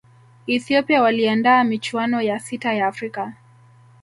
ethiopia waliandaa michuano ya sita ya afrika